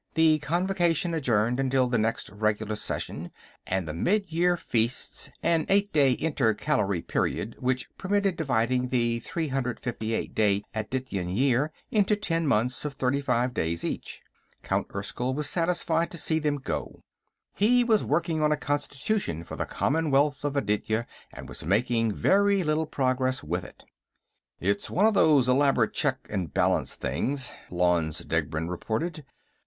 The Convocation adjourned until the next regular session, at the Midyear Feasts, an eight day intercalary period which permitted dividing the 358 day Adityan year into ten months of thirty five days each. Count Erskyll was satisfied to see them go. He was working on a constitution for the Commonwealth of Aditya, and was making very little progress with it. "It's one of these elaborate check and balance things," Lanze Degbrend reported.